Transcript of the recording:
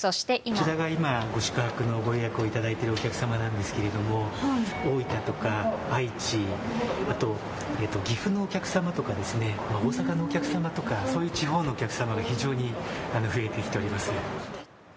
こちらが今、ご宿泊のご予約をいただいているお客様なんですけれども大分とか愛知、岐阜のお客様とか、大阪のお客様とか、地方のお客様が非常に増えてきております。